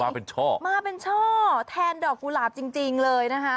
มาเป็นช่อมาเป็นช่อแทนดอกกุหลาบจริงจริงเลยนะคะ